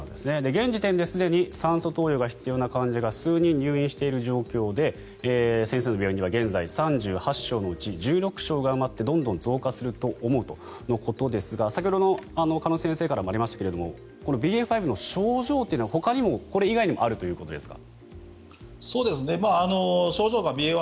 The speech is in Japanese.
現時点ですでに酸素投与が必要な患者が数人入院している状況で先生の病院では現在、３８床のうち１６床が埋まってどんどん増加すると思うということですが先ほど鹿野先生からもありましたがＢＡ．５の症状というのはほかにもこれ以外にもあるということですか。